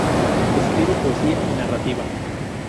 Escribe poesía y narrativa.